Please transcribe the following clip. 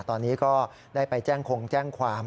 ตอนนี้ก็ได้ไปแจ้งคงแจ้งความ